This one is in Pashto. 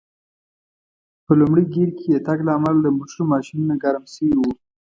په لومړي ګېر کې د تګ له امله د موټرو ماشینونه ګرم شوي و.